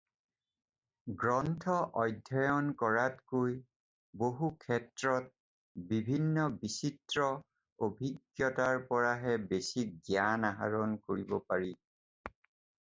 গ্ৰন্থ অধ্যয়ন কৰাতকৈও বহু ক্ষেত্ৰত বিভিন্ন বিচিত্ৰ অভিজ্ঞতাৰ পৰাহে বেছি জ্ঞান আহৰণ কৰিব পাৰি।